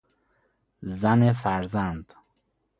زن فرزند